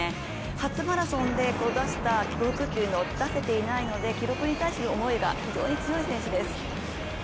初マラソンで出した記録を出せていないので、記録に対する思いが非常に強い選手です。